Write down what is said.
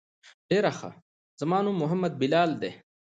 ډېر ښه زما نوم محمد بلال ديه.